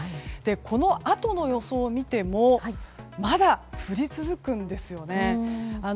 このあとの予想を見てもまだ降り続くんですよね。